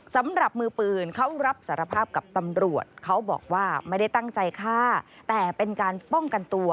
สำหรับมือปืนเขารับสารภาพกับตำรวจเขาบอกว่าไม่ได้ตั้งใจฆ่าแต่เป็นการป้องกันตัว